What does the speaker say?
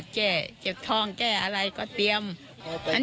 ยังไว้ร้อน